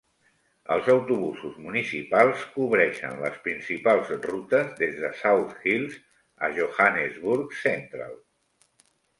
Els autobusos municipals cobreixen les principals rutes des de South Hills a Johannesburg Central.